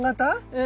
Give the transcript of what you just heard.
うん。